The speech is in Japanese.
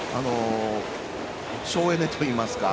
省エネといいますか。